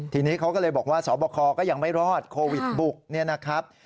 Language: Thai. ทีนี้เขาก็เลยบอกว่าสบคก็ยังไม่รอดโควิดบุกเนี่ยนะครับ